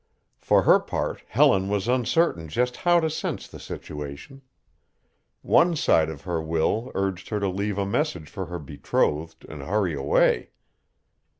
For her part Helen was uncertain just how to sense the situation. One side of her will urged her to leave a message for her betrothed and hurry away.